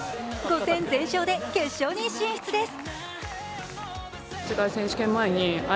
５戦全勝で決勝に進出です。